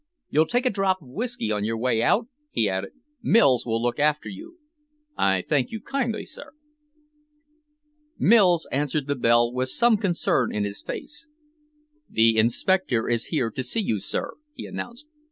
You'll take a drop of whisky on your way out?" he added. "Mills will look after you." "I thank you kindly, sir." Mills answered the bell with some concern in his face. "The inspector is here to see you, sir," he announced.